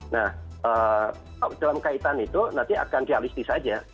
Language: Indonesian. nah dalam kaitan itu nanti akan realistis saja